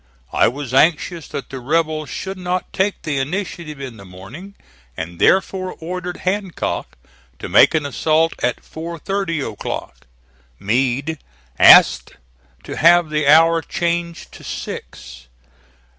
I was anxious that the rebels should not take the initiative in the morning, and therefore ordered Hancock to make an assault at 4.30 o'clock. Meade asked to have the hour changed to six.